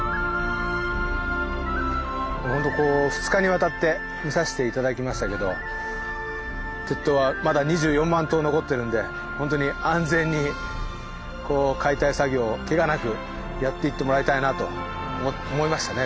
ほんとこう２日にわたって見さして頂きましたけど鉄塔はまだ２４万塔残ってるんでほんとに安全に解体作業をけがなくやっていってもらいたいなと思いましたね